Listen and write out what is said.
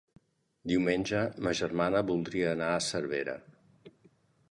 Diumenge ma germana voldria anar a Cervera.